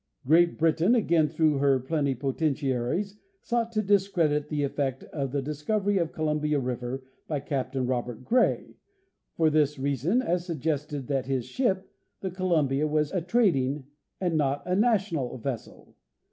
Great Britain, again through her plenipotentiaries, sought to . discredit the effect of the discovery of Columbia river by Cap tain Robert Gray, for the reason, as suggested, that his ship, the Columbia, was a trading and not a national vessel.